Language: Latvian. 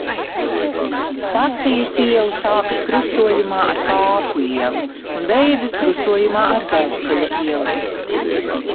Stacijas iela sākas krustojumā ar Kāpu ielu un beidzas krustojumā ar Dzelzceļa ielu.